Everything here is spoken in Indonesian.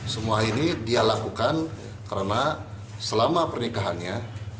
semua ini dia lakukan karena selama pernikahannya